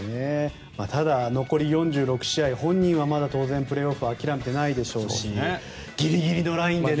ただ残り４６試合本人はまだ当然プレーオフ諦めてないでしょうしギリギリのラインでね。